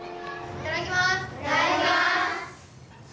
いただきます。